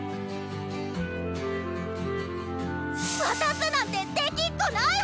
⁉渡すなんてできっこないわ！